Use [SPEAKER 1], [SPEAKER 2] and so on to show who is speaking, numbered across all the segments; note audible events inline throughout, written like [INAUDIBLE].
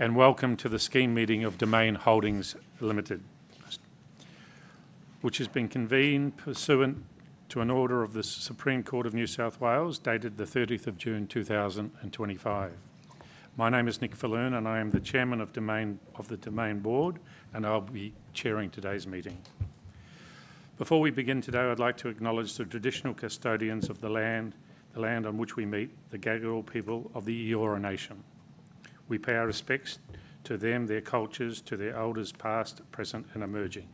[SPEAKER 1] Welcome to the Scheme Meeting of Domain Holdings Ltd, which has been convened pursuant to an order of the Supreme Court of New South Wales dated the 30th of June 2025. My name is Nick Falloon, and I am the Chairman of the Domain Board, and I'll be chairing today's meeting. Before we begin today, I'd like to acknowledge the traditional custodians of the land, the land on which we meet, the Gadigal people of the Eora Nation. We pay our respects to them, their cultures, to their elders past, present, and emerging.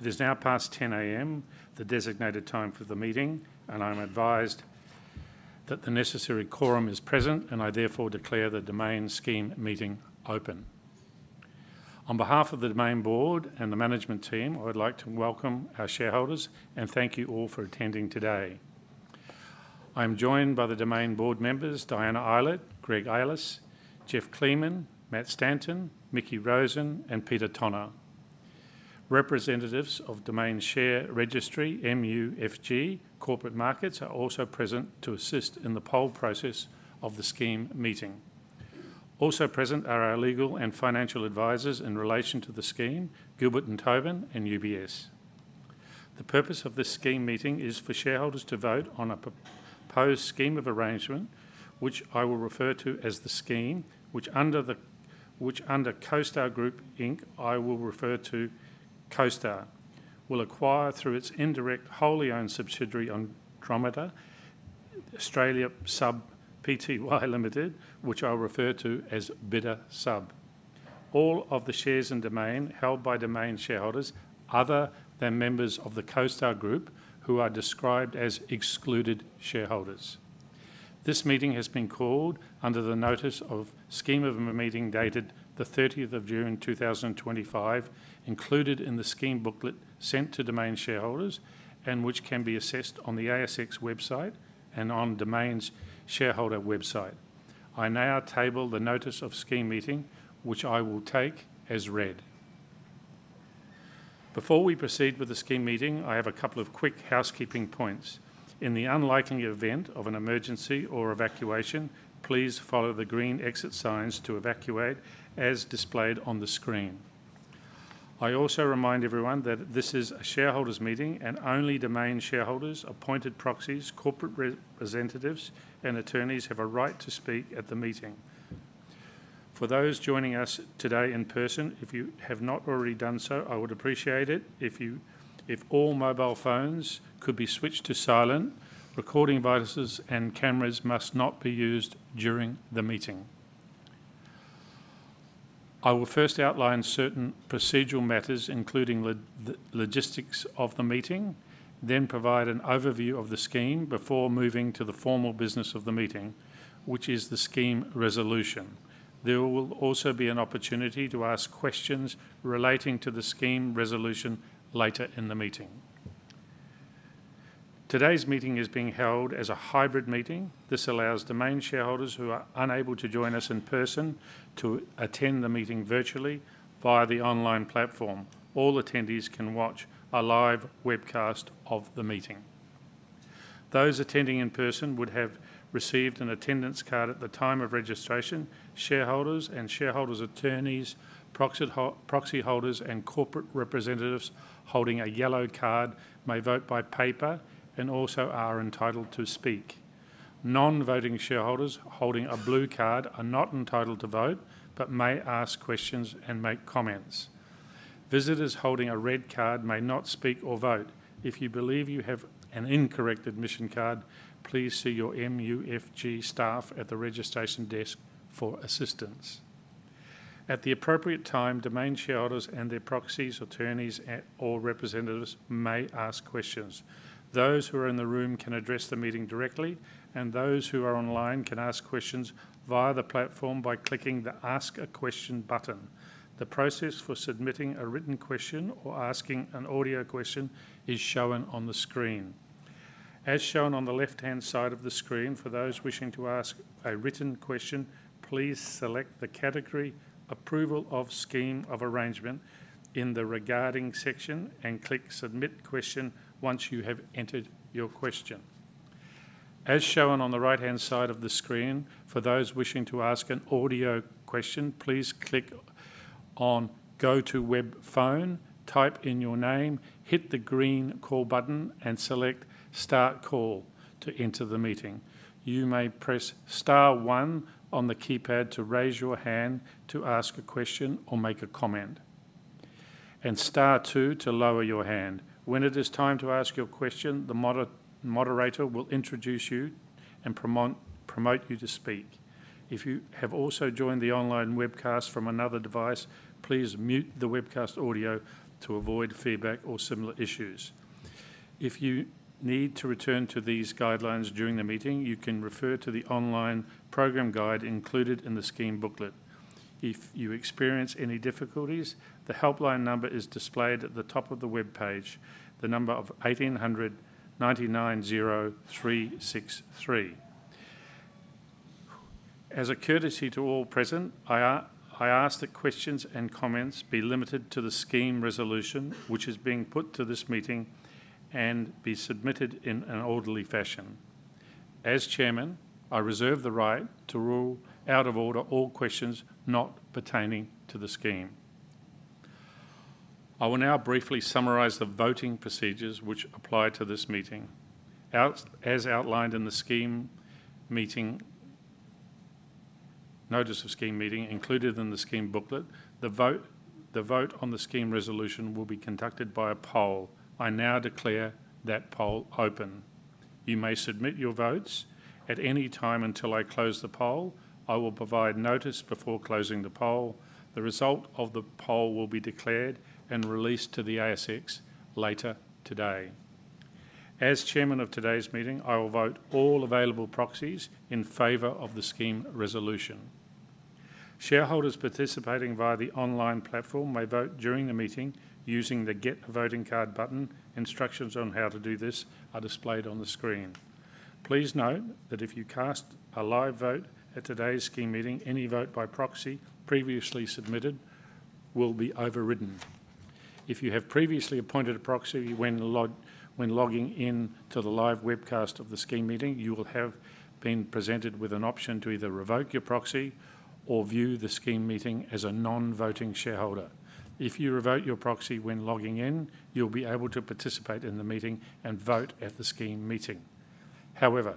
[SPEAKER 1] It is now past 10:00 A.M., the designated time for the meeting, and I'm advised that the necessary quorum is present, and I therefore declare the Domain Scheme Meeting open. On behalf of the Domain Board and the management team, I would like to welcome our shareholders and thank you all for attending today. I am joined by the Domain Board members, Diana Eilert, Greg Ellis, Geoff Kleemann, Matt Stanton, Mickie Rosen, and Peter Tonagh. Representatives of Domain Share Registry, MUFG, and Corporate Markets are also present to assist in the poll process of the Scheme Meeting. Also present are our legal and financial advisors in relation to the scheme, Gilbert + Tobin in UBS. The purpose of this Scheme Meeting is for shareholders to vote on a proposed scheme of arrangement, which I will refer to as the Scheme, which under CoStar Group, Inc, I will refer to as CoStar, will acquire through its indirect wholly owned subsidiary Andromeda Australia Sub Pty Ltd, which I'll refer to as Bidder Sub, all of the shares in Domain held by Domain shareholders other than members of the CoStar Group, who are described as excluded shareholders. This meeting has been called under the Notice of Scheme of Meeting dated the 30th of June 2025, included in the Scheme Booklet sent to Domain shareholders and which can be accessed on the ASX website and on Domain's shareholder website. I now table the Notice of Scheme Meeting, which I will take as read. Before we proceed with the Scheme Meeting, I have a couple of quick housekeeping points. In the unlikely event of an emergency or evacuation, please follow the green exit signs to evacuate, as displayed on the screen. I also remind everyone that this is a shareholders' meeting and only Domain shareholders, appointed proxies, corporate representatives, and attorneys have a right to speak at the meeting. For those joining us today in person, if you have not already done so, I would appreciate it. If all mobile phones could be switched to silent, recording devices and cameras must not be used during the meeting. I will first outline certain procedural matters, including the logistics of the meeting, then provide an overview of the scheme before moving to the formal business of the meeting, which is the scheme resolution. There will also be an opportunity to ask questions relating to the scheme resolution later in the meeting. Today's meeting is being held as a hybrid meeting. This allows Domain shareholders who are unable to join us in person to attend the meeting virtually via the online platform. All attendees can watch a live webcast of the meeting. Those attending in person would have received an attendance card at the time of registration. Shareholders and shareholders' attorneys, proxy holders, and corporate representatives holding a yellow card may vote by paper and also are entitled to speak. Non-voting shareholders holding a blue card are not entitled to vote but may ask questions and make comments. Visitors holding a red card may not speak or vote. If you believe you have an incorrect admission card, please see your MUFG staff at the registration desk for assistance. At the appropriate time, Domain shareholders and their proxies, attorneys, or representatives may ask questions. Those who are in the room can address the meeting directly, and those who are online can ask questions via the platform by clicking the Ask a Question button. The process for submitting a written question or asking an audio question is shown on the screen. As shown on the left-hand side of the screen, for those wishing to ask a written question, please select the category Approval of Scheme of Arrangement in the Regarding section and click Submit Question once you have entered your questions. As shown on the right-hand side of the screen, for those wishing to ask an audio question, please click on Go to Web Phone, type in your name, hit the green call button, and select Start Call to enter the meeting. You may press Star one on the keypad to raise your hand to ask a question or make a comment, and Star two to lower your hand. When it is time to ask your question, the moderator will introduce you and promote you to speak. If you have also joined the online webcast from another device, please mute the webcast audio to avoid feedback or similar issues. If you need to return to these guidelines during the meeting, you can refer to the online program guide included in the Scheme Booklet. If you experience any difficulties, the helpline number is displayed at the top of the web page, the number is 1800 990 363. As a courtesy to all present, I ask that questions and comments be limited to the scheme resolution, which is being put to this meeting, and be submitted in an orderly fashion. As Chairman, I reserve the right to rule out of order all questions not pertaining to the scheme. I will now briefly summarize the voting procedures which apply to this meeting. As outlined in the Notice of Scheme Meeting included in the Scheme Booklet, the vote on the scheme resolution will be conducted by a poll. I now declare that poll open. You may submit your votes at any time until I close the poll. I will provide notice before closing the poll. The result of the poll will be declared and released to the ASX later today. As Chairman of today's meeting, I will vote all available proxies in favor of the scheme resolution. Shareholders participating via the online platform may vote during the meeting using the Get a Voting Card button. Instructions on how to do this are displayed on the screen. Please note that if you cast a live vote at today's Scheme Meeting, any vote by proxy previously submitted will be overridden. If you have previously appointed a proxy when logging in to the live webcast of the Scheme Meeting, you will have been presented with an option to either revoke your proxy or view the Scheme Meeting as a non-voting shareholder. If you revoke your proxy when logging in, you'll be able to participate in the meeting and vote at the Scheme Meeting. However,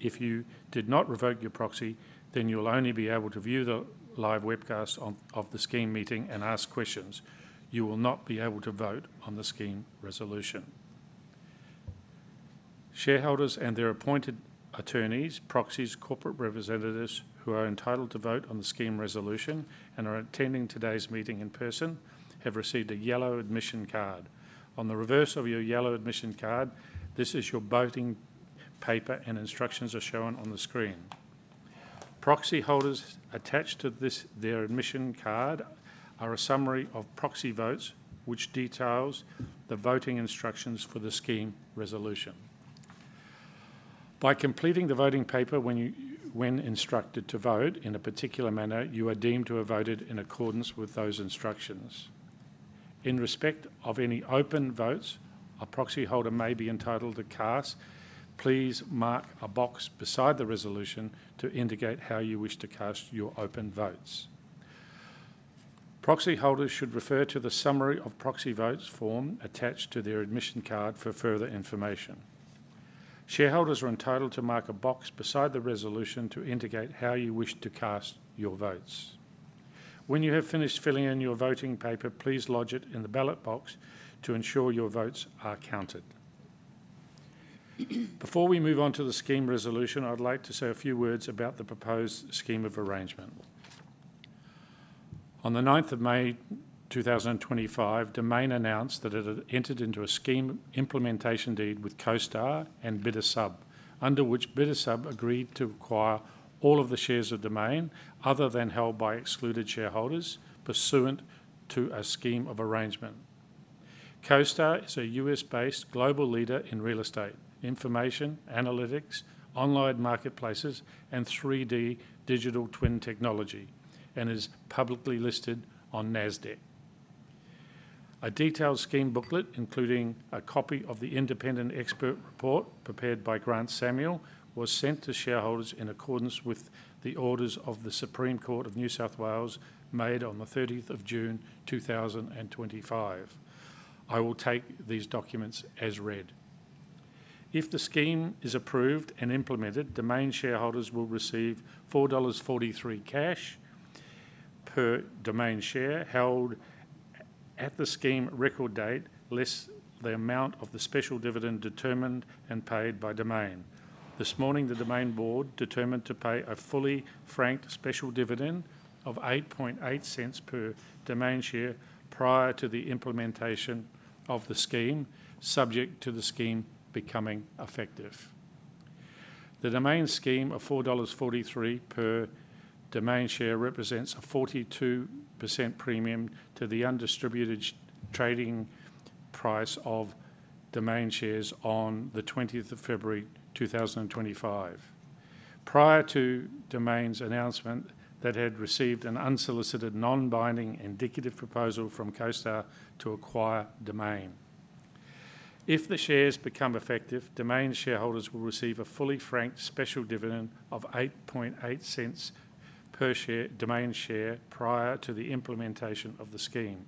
[SPEAKER 1] if you did not revoke your proxy, then you'll only be able to view the live webcast of the Scheme Meeting and ask questions. You will not be able to vote on the scheme resolution. Shareholders and their appointed attorneys, proxies, and corporate representatives who are entitled to vote on the scheme resolution and are attending today's meeting in person have received a yellow admission card. On the reverse of your yellow admission card, this is your voting paper, and instructions are shown on the screen. Proxy holders attached to their admission card are a summary of proxy votes, which details the voting instructions for the scheme resolution. By completing the voting paper when you are instructed to vote in a particular manner, you are deemed to have voted in accordance with those instructions. In respect of any open votes, a proxy holder may be entitled to cast, please mark a box beside the resolution to indicate how you wish to cast your open votes. Proxy holders should refer to the summary of proxy votes form attached to their admission card for further information. Shareholders are entitled to mark a box beside the resolution to indicate how you wish to cast your votes. When you have finished filling in your voting paper, please lodge it in the ballot box to ensure your votes are counted. Before we move on to the scheme resolution, I'd like to say a few words about the proposed scheme of arrangement. On the 9th of May 2025, Domain announced that it had entered into a scheme implementation deed with CoStar Group, Inc. and Bidder Sub, under which Bidder Sub agreed to acquire all of the shares of Domain other than held by excluded shareholders pursuant to a scheme of arrangement. CoStar is a U.S.-based global leader in real estate, information analytics, online marketplaces, and 3D digital twin technology, and is publicly listed on NASDAQ. A detailed Scheme Booklet, including a copy of the Independent Expert Report prepared by Grant Samuel, was sent to shareholders in accordance with the orders of the Supreme Court of New South Wales made on the 30th of June 2025. I will take these documents as read. If the scheme is approved and implemented, Domain shareholders will receive $4.43 cash per Domain share held at the scheme record date, less the amount of the special dividend determined and paid by Domain. This morning, the Domain Board determined to pay a fully franked special dividend of $0.088 per Domain share prior to the implementation of the scheme, subject to the scheme becoming effective. The Domain scheme of $4.43 per Domain share represents a 42% premium to the undistributed trading price of Domain shares on the 20th of February 2025. Prior to Domain's announcement, they had received an unsolicited non-binding indicative proposal from CoStar to acquire Domain. If the shares become effective, Domain shareholders will receive a fully franked special dividend of $0.088 per Domain share prior to the implementation of the scheme.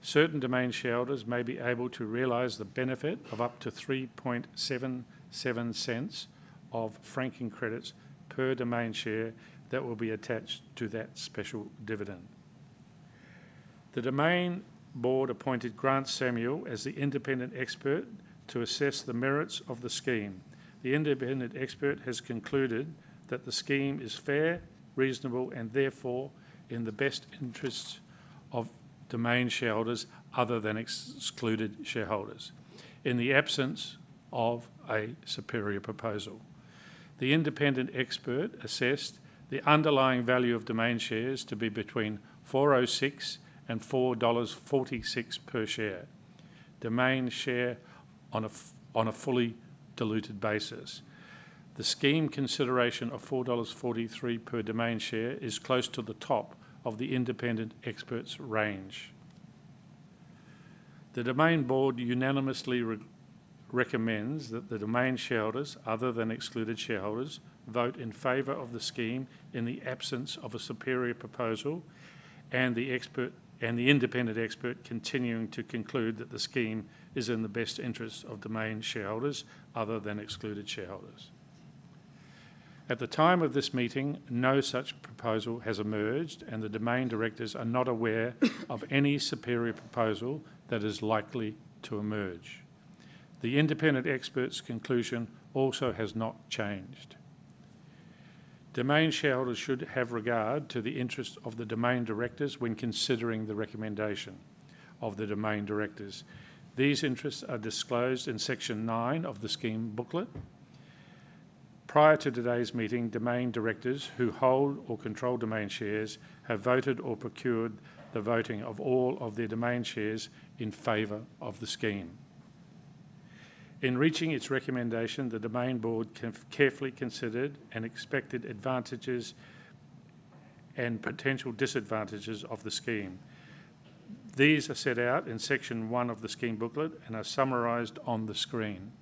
[SPEAKER 1] Certain Domain shareholders may be able to realize the benefit of up to $0.0377 of franking credits per Domain share that will be attached to that special dividend. The Domain Board appointed Grant Samuel as the Independent Expert to assess the merits of the scheme. The Independent Expert has concluded that the scheme is fair, reasonable, and therefore in the best interests of Domain shareholders other than excluded shareholders, in the absence of a superior proposal. The independent expert assessed the underlying value of Domain shares to be between $4.06 and $4.46 per Domain share on a fully diluted basis. The scheme consideration of $4.43 per Domain share is close to the top of the Independent Expert's range. The Domain Board unanimously recommends that the Domain shareholders, other than excluded shareholders, vote in favor of the scheme in the absence of a superior proposal, and the Independent Expert continuing to conclude that the scheme is in the best interests of Domain shareholders other than excluded shareholders. At the time of this meeting, no such proposal has emerged, and the Domain directors are not aware of any superior proposal that is likely to emerge. The Independent Expert's conclusion also has not changed. Domain shareholders should have regard to the interests of the Domain directors when considering the recommendation of the Domain directors. These interests are disclosed in section 9 of the Scheme Booklet. Prior to today's meeting, Domain directors who hold or control Domain shares have voted or procured the voting of all of their Domain shares in favor of the scheme. In reaching its recommendation, the Domain Board carefully considered and expected advantages and potential disadvantages of the scheme. These are set out in section 1 of the Scheme Booklet and are summarized on the screen.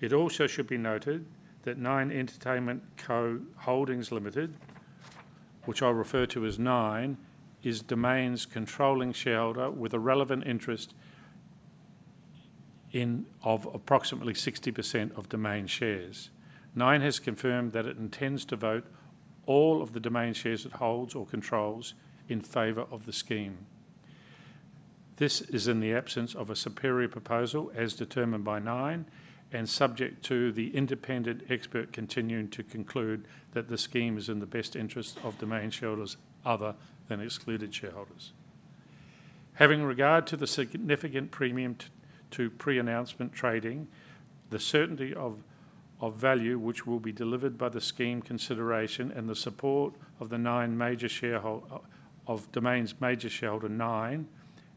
[SPEAKER 1] It also should be noted that Nine Entertainment Co Holdings Ltd, which I'll refer to as Nine, is Domain's controlling shareholder with a relevant interest of approximately 60% of Domain shares. Nine has confirmed that it intends to vote all of the Domain shares it holds or controls in favor of the scheme. This is in the absence of a superior proposal as determined by Nine and subject to the independent expert continuing to conclude that the scheme is in the best interests of Domain shareholders other than excluded shareholders. Having regard to the significant premium to pre-announcement trading, the certainty of value which will be delivered by the scheme consideration and the support of Nine, major shareholder of Domain,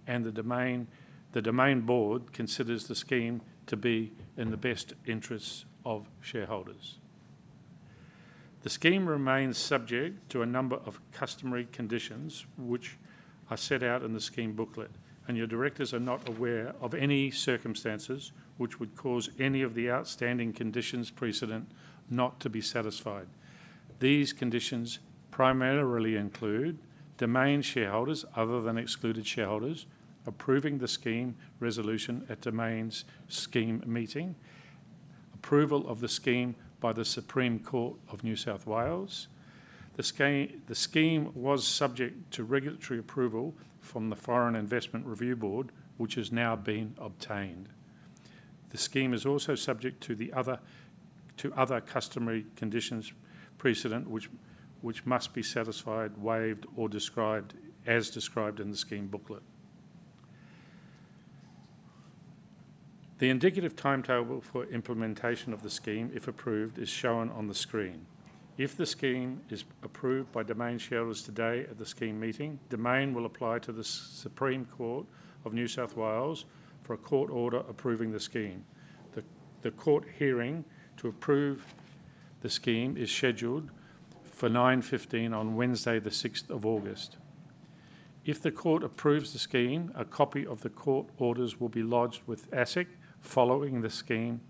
[SPEAKER 1] and the Domain Board considers the scheme to be in the best interests of shareholders. The scheme remains subject to a number of customary conditions which are set out in the Scheme Booklet, and your directors are not aware of any circumstances which would cause any of the outstanding conditions precedent not to be satisfied. These conditions primarily include Domain shareholders other than excluded shareholders approving the scheme resolution at Domain's Scheme Meeting, approval of the scheme by the Supreme Court of New South Wales. The scheme was subject to regulatory approval from the Foreign Investment Review Board, which has now been obtained. The scheme is also subject to other customary conditions precedent which must be satisfied, waived, or described as described in the Scheme Booklet. The indicative timetable for implementation of the scheme, if approved, is shown on the screen. If the scheme is approved by Domain shareholders today at the Scheme Meeting, Domain will apply to the Supreme Court of New South Wales for a court order approving the scheme. The court hearing to approve the scheme is scheduled for 9:15 A.M. on Wednesday, the 6th of August. If the court approves the scheme, a copy of the court orders will be lodged with ASIC following the scheme,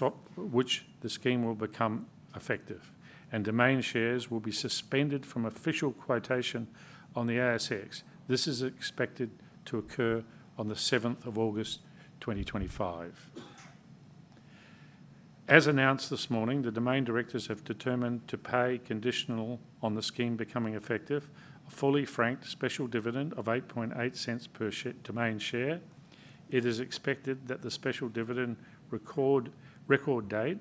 [SPEAKER 1] at which the scheme will become effective, and Domain shares will be suspended from official quotation on the ASX. This is expected to occur on the 7th of August 2025. As announced this morning, the Domain directors have determined to pay, conditional on the scheme becoming effective, a fully franked special dividend of $0.088 per Domain share. It is expected that the special dividend record date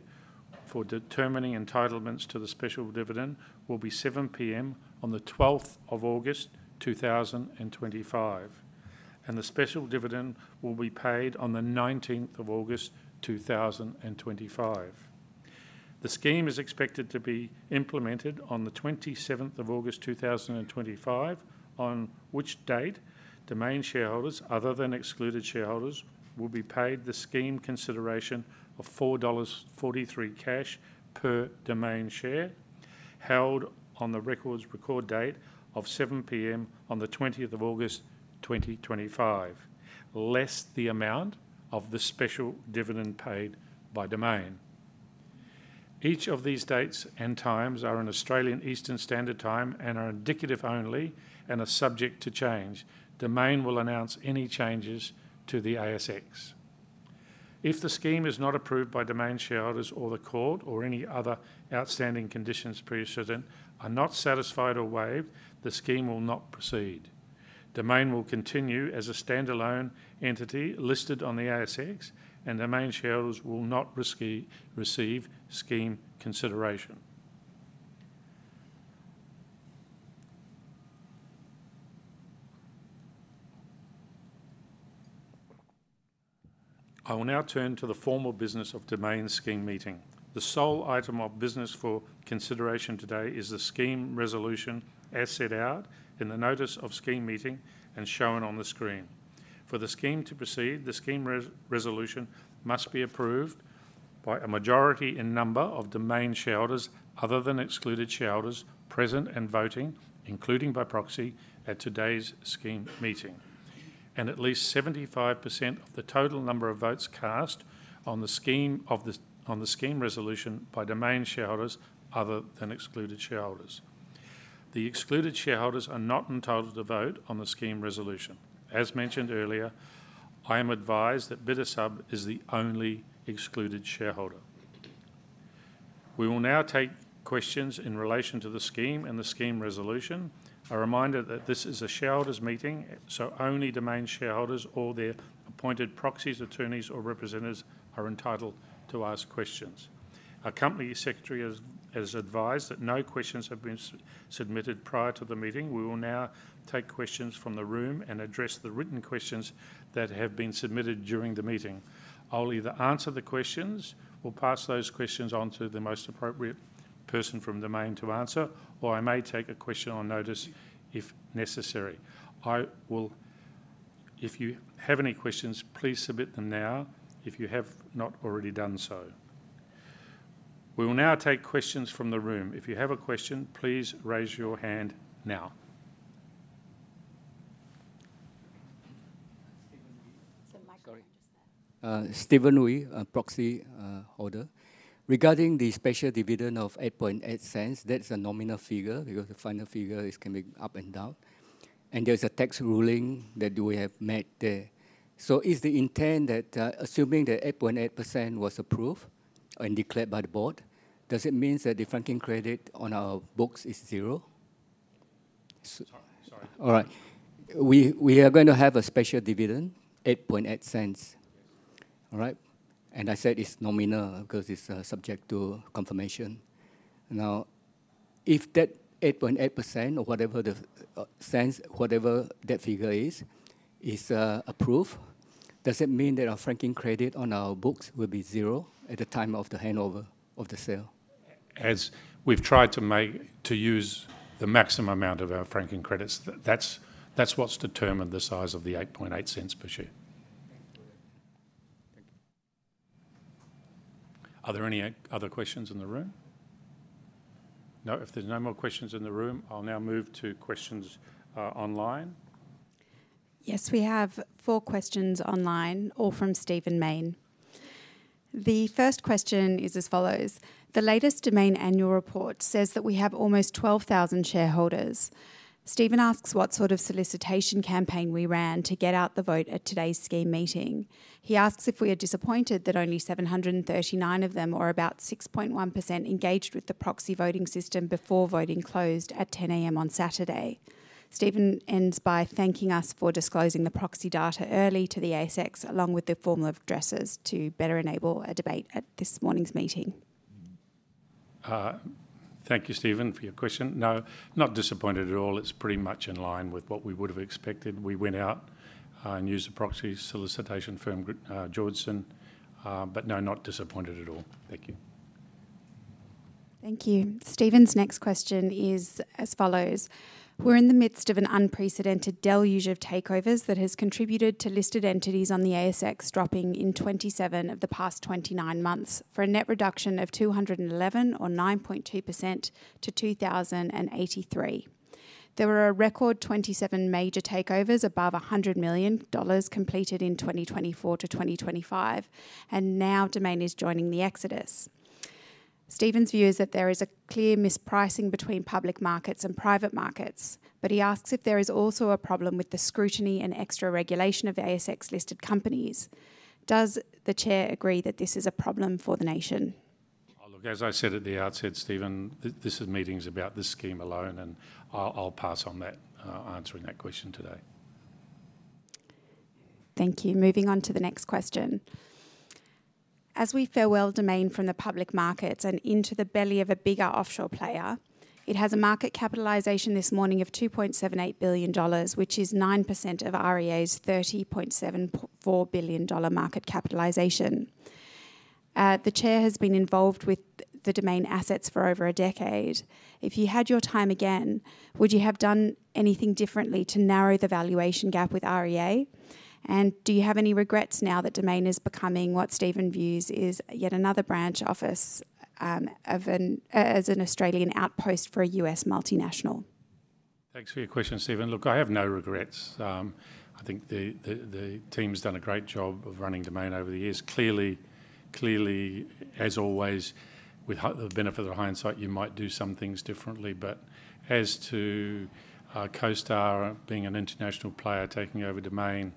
[SPEAKER 1] for determining entitlements to the special dividend will be 7:00 P.M. on the 12th of August 2025, and the special dividend will be paid on the 19th of August 2025. The scheme is expected to be implemented on the 27th of August 2025, on which date Domain shareholders other than excluded shareholders will be paid the scheme consideration of $4.43 cash per Domain share held on the record date of 7:00 P.M. on the 20th of August 2025, less the amount of the special dividend paid by Domain. Each of these dates and times are in Australian Eastern Standard Time and are indicative only and are subject to change. Domain will announce any changes to the ASX. If the scheme is not approved by Domain shareholders or the court or any other outstanding conditions precedent are not satisfied or waived, the scheme will not proceed. Domain will continue as a standalone entity listed on the ASX, and Domain shareholders will not receive scheme consideration. I will now turn to the formal business of Domain Scheme Meeting. The sole item of business for consideration today is the scheme resolution as set out in the Notice of Scheme Meeting and shown on the screen. For the scheme to proceed, the scheme resolution must be approved by a majority in number of Domain shareholders other than excluded shareholders present and voting, including by proxy, at today's Scheme Meeting, and at least 75% of the total number of votes cast on the scheme resolution by Domain shareholders other than excluded shareholders. The excluded shareholders are not entitled to vote on the scheme resolution. As mentioned earlier, I am advised that Bidder Sub is the only excluded shareholder. We will now take questions in relation to the scheme and the scheme resolution. A reminder that this is a shareholders' meeting, so only Domain shareholders or their appointed proxies, attorneys, or representatives are entitled to ask questions. Our company secretary has advised that no questions have been submitted prior to the meeting. We will now take questions from the room and address the written questions that have been submitted during the meeting. I will either answer the questions or pass those questions on to the most appropriate person from Domain to answer, or I may take a question on notice if necessary. If you have any questions, please submit them now if you have not already done so. We will now take questions from the room. If you have a question, please raise your hand now.
[SPEAKER 2] [AUDIO DISTORTION]
[SPEAKER 3] [Stephen Wi], proxy holder. Regarding the special dividend of $0.088, that's a nominal figure because the final figure is coming up and down, and there's a tax ruling that we have met there. Is the intent that assuming that 8.8% was approved and declared by the Board, does it mean that the franking credit on our books is zero?
[SPEAKER 1] Sorry.
[SPEAKER 3] All right. We are going to have a special dividend, $0.088. All right. I said it's nominal because it's subject to confirmation. Now, if that $0.088 or whatever the cents, whatever that figure is, is approved, does it mean that our franking credit on our books will be zero at the time of the handover of the sale?
[SPEAKER 1] As we've tried to make to use the maximum amount of our franking credits, that's what's determined the size of the $0.088 per share. Are there any other questions in the room? No, if there's no more questions in the room, I'll now move to questions online.
[SPEAKER 4] Yes, we have four questions online, all from [Steven Main]. The first question is as follows. The latest Domain annual report says that we have almost 12,000 shareholders. Stephen asks what sort of solicitation campaign we ran to get out the vote at today's Scheme Meeting. He asks if we are disappointed that only 739 of them or about 6.1% engaged with the proxy voting system before voting closed at 10:00 A.M. on Saturday. Steven ends by thanking us for disclosing the proxy data early to the ASX, along with the formal addresses to better enable a debate at this morning's meeting.
[SPEAKER 1] Thank you, Steven, for your question. No, not disappointed at all. It's pretty much in line with what we would have expected. We went out and used the proxy solicitation firm, Georgeson, but no, not disappointed at all. Thank you.
[SPEAKER 4] Thank you. Steven's next question is as follows. We're in the midst of an unprecedented deluge of takeovers that has contributed to listed entities on the ASX dropping in 27 of the past 29 months for a net reduction of 211 or 9.2% to 2,083. There were a record 27 major takeovers above $100 million completed in 2024 to 2025, and now Domain is joining the Exodus. Steven's view is that there is a clear mispricing between public markets and private markets, but he asks if there is also a problem with the scrutiny and extra regulation of ASX-listed companies. Does the Chair agree that this is a problem for the nation?
[SPEAKER 1] Look, as I said at the outset, Steven, this meeting is about this scheme alone, and I'll pass on answering that question today.
[SPEAKER 4] Thank you. Moving on to the next question. As we farewell Domain from the public markets and into the belly of a bigger offshore player, it has a market capitalization this morning of $2.78 billion, which is 9% of REA's $30.74 billion market capitalization. The Chair has been involved with the Domain assets for over a decade. If you had your time again, would you have done anything differently to narrow the valuation gap with REA? Do you have any regrets now that Domain is becoming what Steven views is yet another branch office as an Australian outpost for a U.S. multinational?
[SPEAKER 1] Thanks for your question, Stephen. I have no regrets. I think the team's done a great job of running Domain over the years. Clearly, as always, with the benefit of hindsight, you might do some things differently. As to CoStar being an international player taking over Domain,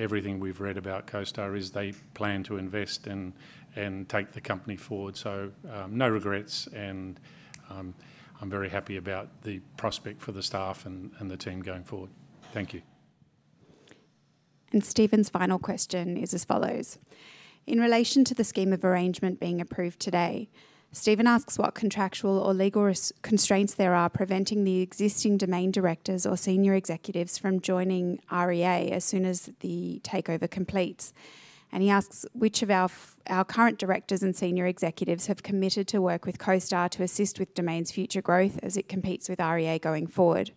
[SPEAKER 1] everything we've read about CoStar is they plan to invest and take the company forward. No regrets, and I'm very happy about the prospect for the staff and the team going forward. Thank you.
[SPEAKER 4] Stephen's final question is as follows. In relation to the scheme of arrangement being approved today, Steven asks what contractual or legal constraints there are preventing the existing Domain directors or senior executives from joining REA as soon as the takeover completes. He asks which of our current directors and senior executives have committed to work with CoStar to assist with Domain's future growth as it competes with REA going forward.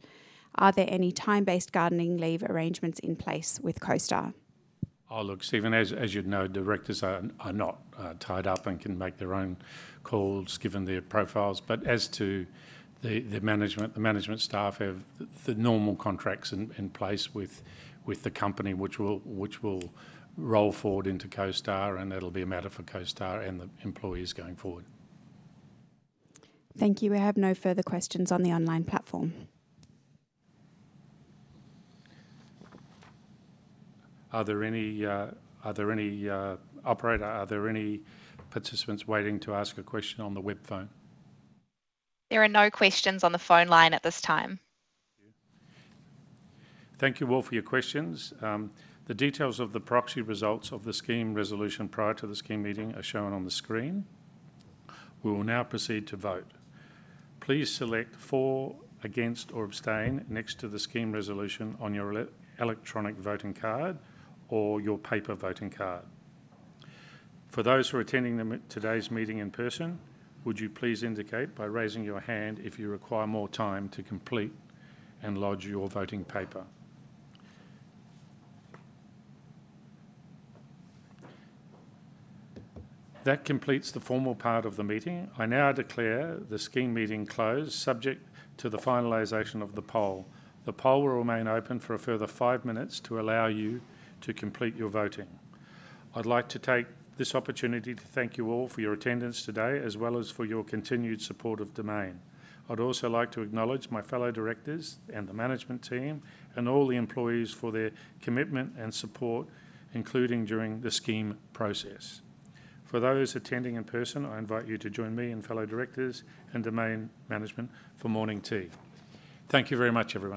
[SPEAKER 4] Are there any time-based gardening leave arrangements in place with CoStar?
[SPEAKER 1] Oh, look, Steven, as you'd know, directors are not tied up and can make their own calls given their profiles. As to the management, the management staff have the normal contracts in place with the company, which will roll forward into CoStar, and it'll be a matter for CoStar and the employees going forward.
[SPEAKER 4] Thank you. We have no further questions on the online platform.
[SPEAKER 1] Are there any participants waiting to ask a question on the web phone?
[SPEAKER 5] There are no questions on the phone line at this time.
[SPEAKER 1] Thank you all for your questions. The details of the proxy results of the scheme resolution prior to the Scheme Meeting are shown on the screen. We will now proceed to vote. Please select for, against, or abstain next to the scheme resolution on your electronic voting card or your paper voting card. For those who are attending today's meeting in person, would you please indicate by raising your hand if you require more time to complete and lodge your voting paper? That completes the formal part of the meeting. I now declare the Scheme Meeting closed, subject to the finalization of the poll. The poll will remain open for a further five minutes to allow you to complete your voting. I'd like to take this opportunity to thank you all for your attendance today, as well as for your continued support of Domain. I'd also like to acknowledge my fellow Directors and the management team and all the employees for their commitment and support, including during the scheme process. For those attending in person, I invite you to join me and fellow Directors and Domain management for morning tea. Thank you very much, everyone.